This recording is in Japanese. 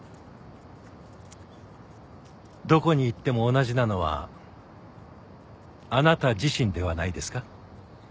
どこに行っても同じなのはあなた自身ではないですか？